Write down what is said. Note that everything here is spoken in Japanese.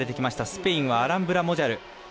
スペインはアランブラモジャル。